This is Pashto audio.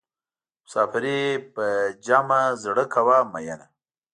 مسافري په جمع زړه کوه مینه.